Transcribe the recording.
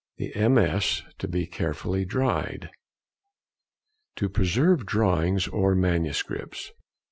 The MS. to be carefully dried. _To preserve drawings or manuscripts.